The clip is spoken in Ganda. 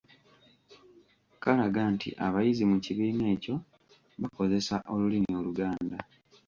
Kalaga nti abayizi mu kibiina ekyo bakozesa Olulimi Oluganda.